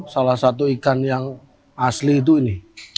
satu ikan yang asli itu ini